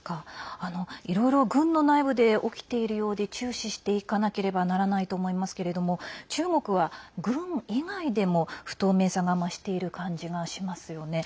いろいろ軍の内部で起きているようで注視していかなければならないと思いますけれども中国は軍以外でも不透明さが増している感じがしますよね。